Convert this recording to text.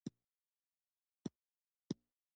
پیاز په کابل او لوګر کې ډیر کیږي